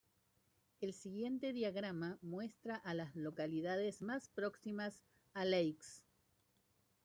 El siguiente diagrama muestra a las localidades más próximas a Lakes.